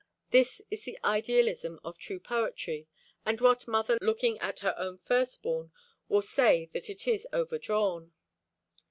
This is the idealism of true poetry, and what mother looking at her own firstborn will say that it is overdrawn?